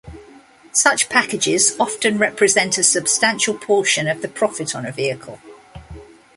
Such packages often represent a substantial portion of the profit on a vehicle.